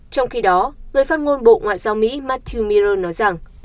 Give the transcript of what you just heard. trong khi đó người phát ngôn bộ ngoại giao mỹ matthew miro nói rằng